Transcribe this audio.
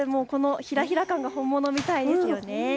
ひらひら感が本物みたいですよね。